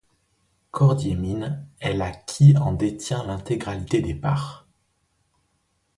Cordier Mines est la qui en détient l'intégralité des parts.